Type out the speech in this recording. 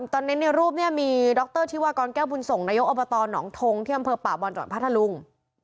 ตอนนี้รูปมีดรทิวากรแก้วบุญสงศ์นอหนองทงที่อำเภอป่าวบอลจพรรถลุง